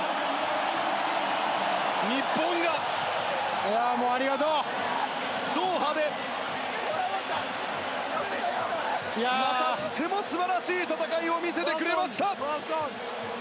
日本がドーハでまたしても素晴らしい戦いを見せてくれました。